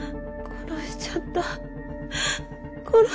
殺しちゃったよ。